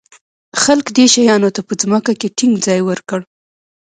خلک دې شیانو ته په ځمکه کې ټینګ ځای ورکړ.